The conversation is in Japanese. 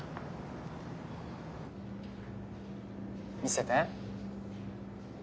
見せて。